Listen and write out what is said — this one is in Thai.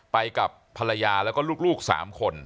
ไปกับภรรยาแล้วก็ลูก๓คน